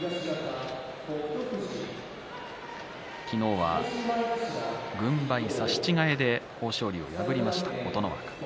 昨日は軍配差し違えで豊昇龍を破った琴ノ若。